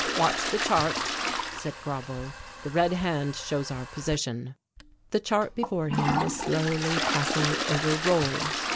"Watch the chart," said Grauble. "The red hand shows our position." The chart before him was slowly passing over rolls.